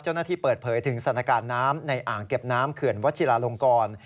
เจ้าหน้าที่เปิดเผยถึงสถานการณ์น้ำในอ่างเก็บน้ำเขื่อนวัชิลาลงกร